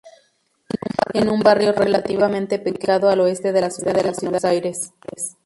Es un barrio relativamente pequeño ubicado al oeste de la ciudad de Buenos Aires.